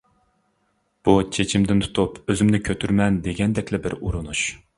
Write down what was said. بۇ چېچىمدىن تۇتۇپ ئۆزۈمنى كۆتۈرىمەن دېگەندەكلا بىر ئۇرۇنۇش.